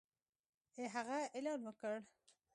هغه اعلان وکړ